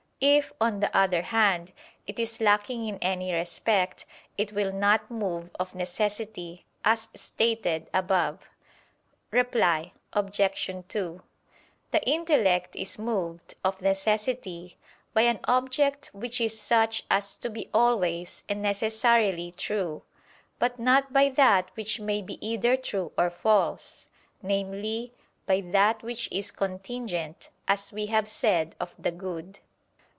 If, on the other hand, it is lacking in any respect, it will not move of necessity, as stated above. Reply Obj. 2: The intellect is moved, of necessity, by an object which is such as to be always and necessarily true: but not by that which may be either true or false viz. by that which is contingent: as we have said of the good.